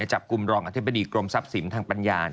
จับกลุ่มรองอธิบดีกรมทรัพย์สินทางปัญญา